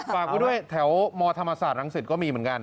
ฝากไว้ด้วยแถวมธรรมศาสตรังสิตก็มีเหมือนกัน